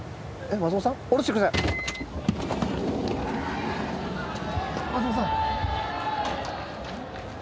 松本さん。